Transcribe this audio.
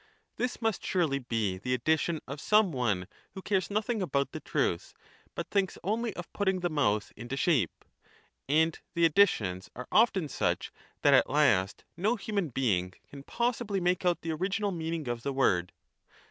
This must surely be the addition of some one socrates, who cares nothing about the truth, but thinks only of putting "ermo the mouth into shape. And the additions are often such 1 ■ 111 KOTOTTTpOl'. that at last no human bemg can possibly make out the original meaning of the word.